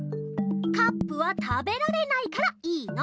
カップは食べられないからいいの。